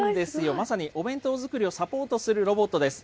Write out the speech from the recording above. まさにお弁当作りをサポートするロボットです。